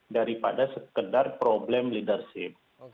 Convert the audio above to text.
daripada sekedar problem leadership